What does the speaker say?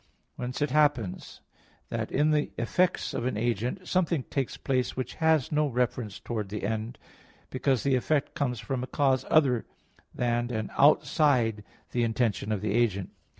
Whence it happens that in the effects of an agent something takes place which has no reference towards the end, because the effect comes from a cause other than, and outside the intention of the agent.